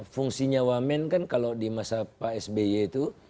fungsinya wamen kan kalau di masa pak sby itu